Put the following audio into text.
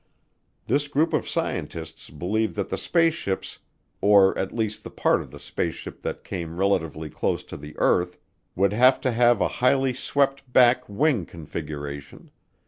This group of scientists believed that the spaceships, or at least the part of the spaceship that came relatively close to the earth, would have to have a highly swept back wing configuration.